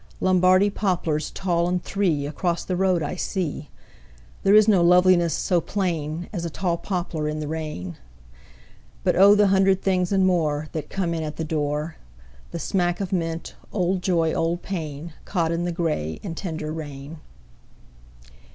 Lombardy poplars tall and three, Across the road I see; There is no loveliness so plain As a tall poplar in the rain. But oh, the hundred things and more, That come in at the door! The smack of mint, old joy, old pain, Caught in the gray and tender rain.